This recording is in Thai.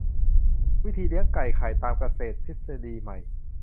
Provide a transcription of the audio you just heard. วิธีเลี้ยงไก่ไข่ตามเกษตรทฤษฎีใหม่